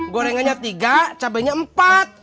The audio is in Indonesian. gorengannya tiga cabainya empat